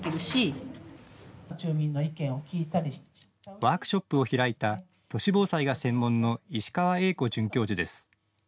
ワークショップを開いた都市防災が専門の石川永子准教授です。